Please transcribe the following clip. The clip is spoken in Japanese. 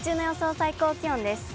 最高気温です。